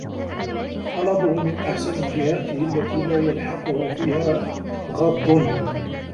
طَلَبُهُ مِنْ أَحْسَنِ جِهَاتِهِ الَّتِي لَا يَلْحَقُهُ فِيهَا غَضٌّ